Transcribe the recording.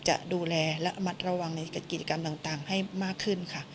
จะดูแลและระมัดระวังในกิจกรรมต่างให้มากขึ้นค่ะ